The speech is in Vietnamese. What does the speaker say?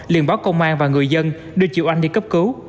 liên báo công an và người dân đưa chị oanh đi cấp cứu